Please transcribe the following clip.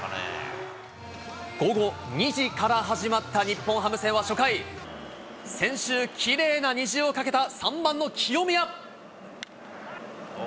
午後２時から始まった日本ハム戦は初回、先週きれいな虹を架けた３番の清宮。